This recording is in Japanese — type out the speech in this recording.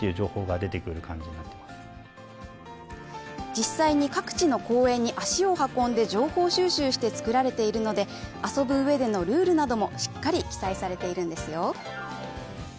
実際に各地の公園に足を運んで情報収集してつくられているので、遊ぶうえでのルールもしっかり記載されているんですよ。